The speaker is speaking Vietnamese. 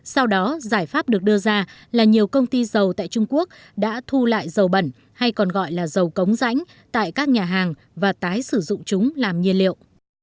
sau đó giải pháp được đưa ra là nhiều công ty dầu tại trung quốc đã thu lại dầu bẩn hay còn gọi là dầu cống rãnh tại các nhà hàng và tái sử dụng chúng làm nhiên liệu